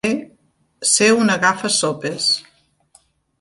Ser un agafa-sopes.